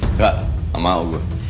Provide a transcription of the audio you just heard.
nggak gak mau gue